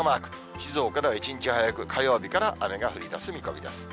静岡では１日早く、火曜日から雨が降りだす見込みです。